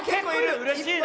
うれしいな。